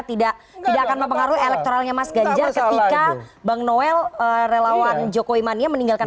tidak tidak akan mempengaruhi elektoralnya mas ganjar ketika bang noel relawan jokowi mania meninggalkan